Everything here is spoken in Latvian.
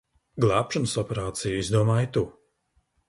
Glābšanas operāciju izdomāji tu.